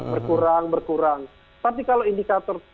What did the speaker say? berkurang berkurang tapi kalau indikator